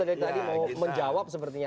dari tadi mau menjawab sepertinya